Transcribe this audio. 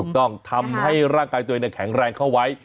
ต้องทำให้ร่างกายตัวเองแข็งแรงเข้าไว้